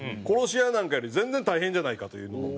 殺し屋なんかより全然大変じゃないかという。